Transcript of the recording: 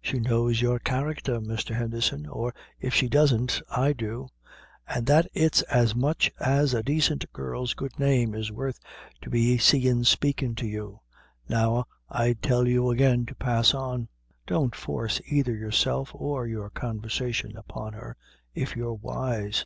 She knows your carrechter, Mr. Henderson; or if she doesn't, I do an' that it's as much as a daicent girl's good name is worth to be seen spakin' to you. Now, I tell you again to pass on. Don't force either yourself or your conversation upon her, if you're wise.